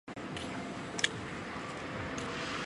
作品讲述一名男子为躲避致命的疾病逃到一个小岛上。